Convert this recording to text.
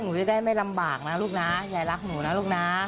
หนูจะได้ไม่ลำบากนะลูกนะยายรักหนูนะลูกนะ